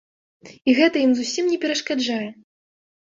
І гэта ім зусім не перашкаджае!